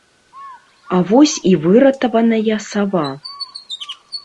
А вось і выратаваная сава.